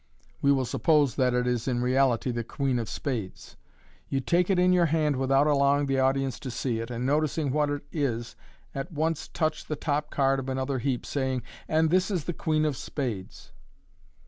We will suppose that it is in reality the queen of spades. You take it in your hand without allowing the audience to see it, and, noticing what it is, at on:e touch the top card of another heap, saying, " And this is the queen of spades."